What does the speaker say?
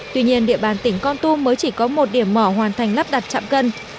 tuy nhiên địa bàn tỉnh con tum mới chỉ có một điểm mỏ hoàn thành lắp đặt chạm cân